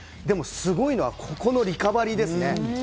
でも、すごいのはここのリカバリーですね。